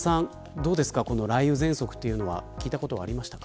どうですか雷雨ぜんそくは聞いたことがありましたか。